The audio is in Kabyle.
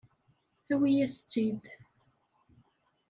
Awi-as-tt-id.